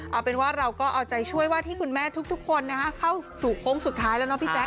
เอาเป็นว่าเราก็เอาใจช่วยว่าที่คุณแม่ทุกคนเข้าสู่โค้งสุดท้ายแล้วเนาะพี่แจ๊